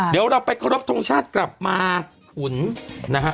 เดี๋ยวเราไปเคารพทงชาติกลับมาขุนนะฮะ